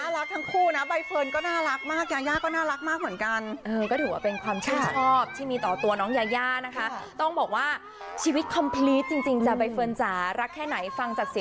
ว่าเธอเนี่ยติ่งยาย่าตัวแม่ร่วมงานกับณเดชน์ก็จริงแต่ถามถึงยาย่ารักแค่ไหนไปฟังจ้า